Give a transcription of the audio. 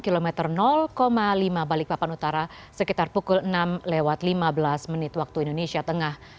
kilometer lima balikpapan utara sekitar pukul enam lewat lima belas menit waktu indonesia tengah